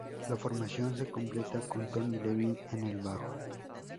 La formación se completa con Tony Levin en el bajo.